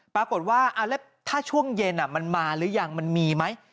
ปรากฏว่าแล้วถ้าช่วงเย็นมันมาหรือยังมันมีไหม